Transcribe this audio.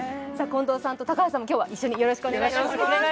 近藤さんと高橋さんも今日は一緒によろしくお願いします。